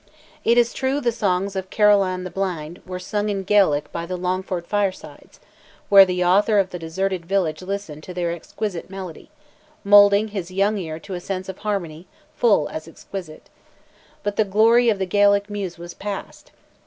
It is true the songs of "Carolan the Blind," were sung in Gaelic by the Longford firesides, where the author of "the Deserted Village" listened to their exquisite melody, moulding his young ear to a sense of harmony full as exquisite; but the glory of the Gaelic muse was past.